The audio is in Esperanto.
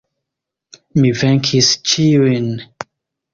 Mi venkis ĉiujn.